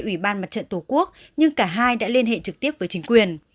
ủy ban mặt trận tổ quốc nhưng cả hai đã liên hệ trực tiếp với chính quyền